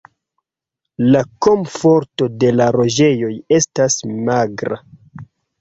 La komforto de la loĝejoj estas magra.